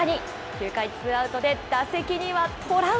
９回ツーアウトで打席にはトラウ